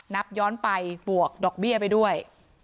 นับย้อนไปบวกดอกเบี้ยไปด้วย